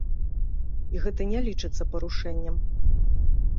І гэта не лічыцца парушэннем.